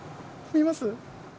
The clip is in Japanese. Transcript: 見えます？